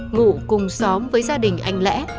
ngủ cùng xóm với gia đình anh lẽ